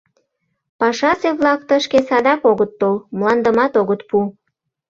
Пашазе-влак тышке садак огыт тол, мландымат огыт пу.